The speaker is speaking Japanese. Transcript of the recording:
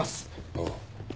ああ。